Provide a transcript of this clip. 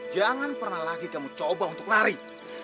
jangan pernah lagi kamu coba untuk lari